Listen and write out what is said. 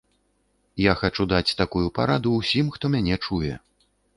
Я хачу даць такую параду ўсім, хто мяне чуе.